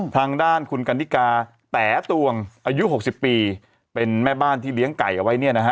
ทางด้านคุณกันนิกาแต๋ตวงอายุ๖๐ปีเป็นแม่บ้านที่เลี้ยงไก่เอาไว้เนี่ยนะฮะ